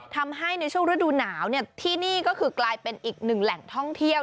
ทำให้ในช่วงฤดูหนาวที่นี่ก็คือกลายเป็นอีกหนึ่งแหล่งท่องเที่ยว